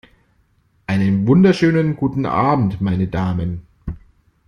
Einen wunderschönen guten Abend, meine Damen!